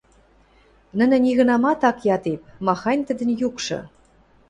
Нӹнӹ нигынамат ак ядеп: «Махань тӹдӹн юкшы?